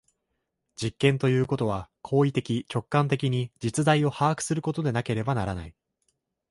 実験ということは行為的直観的に実在を把握することでなければならない。